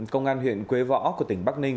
công an huyện quế võ của tỉnh bắc ninh